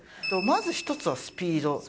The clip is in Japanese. まず一つはスピード。